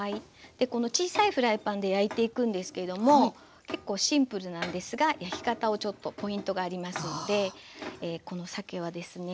でこの小さいフライパンで焼いていくんですけれども結構シンプルなんですが焼き方をちょっとポイントがありますのでこのさけはですね